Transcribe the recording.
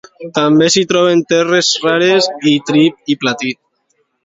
També s'hi troben terres rares, itri i platí.